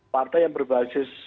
partai yang berbasis